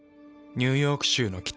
ニューヨーク州の北。